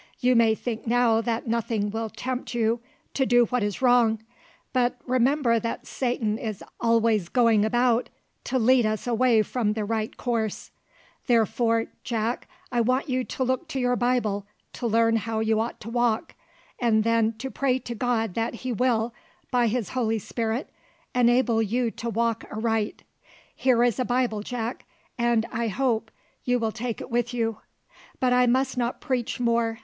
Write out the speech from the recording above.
You may think now that nothing will tempt you to do what is wrong, but remember that Satan is always going about to lead us away from the right course; therefore, Jack, I want you to look to your Bible to learn how you ought to walk, and then to pray to God that He will, by His Holy Spirit, enable you to walk aright. Here is a Bible, Jack, and I hope you will take it with you; but I must not preach more.